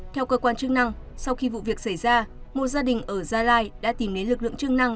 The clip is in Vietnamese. theo cơ quan chức năng sau khi vụ việc xảy ra một gia đình ở gia lai đã tìm đến lực lượng chức năng